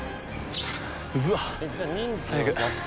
うわあ、最悪。